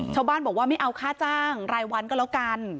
ชาวบ้านบอกว่าไม่เอาค่าจ้างรายวันก็แล้วกัน